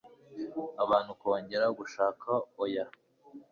abantu kongera gushaka oya